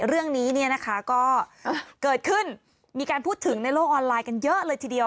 เรื่องนี้เนี่ยนะคะก็เกิดขึ้นมีการพูดถึงในโลกออนไลน์กันเยอะเลยทีเดียว